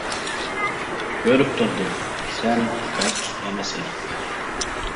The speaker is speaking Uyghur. كۆرۈپ تۇردۇم، سەن بەختلىك ئەمەس ئىدىڭ.